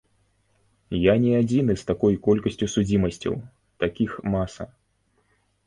Я не адзіны з такой колькасцю судзімасцяў, такіх маса.